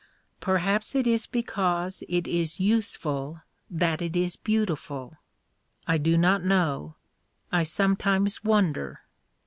Perhaps it is because it is useful that it is beautiful. I do not know. I sometimes wonder.